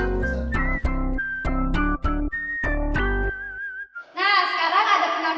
terima kasih man